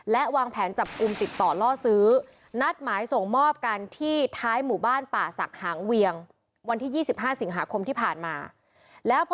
และวางแผนจับกุมติดต่อรอซื้อ